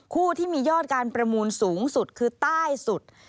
คู่ที่มียอดการประมูลสูงสุดคือใต้สุด